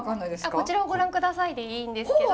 「こちらをご覧下さい」でいいんですけど。